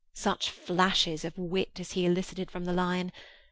Such flashes of wit as he elicited from the lion!